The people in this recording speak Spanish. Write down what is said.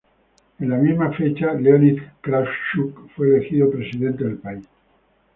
En la misma fecha, Leonid Kravchuk fue elegido presidente del país.